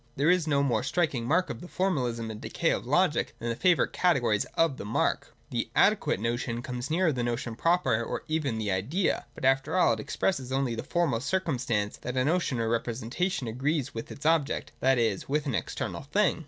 There is no more striking mark of the formalism and decay of Logic than the favourite category of the ' mark.' The adequate notion comes nearer the notion proper, or even the Idea : but after all it expresses only the formal circumstance that a notion or representation agrees with its object, that is, with an external thing.